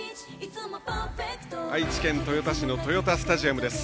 愛知県豊田市の豊田スタジアムです。